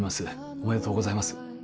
おめでとうございます。